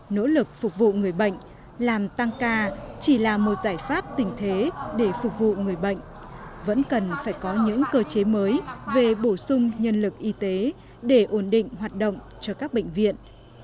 nỗ lực phục vụ người bệnh làm tăng ca chỉ là một giải pháp tình thế để phục vụ người bệnh vẫn cần phải có những cơ chế mới về bổ sung nhân lực y tế để ổn định hoạt động cho các bệnh viện